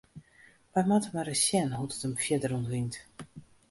Wy moatte mar ris sjen hoe't it him fierder ûntwynt.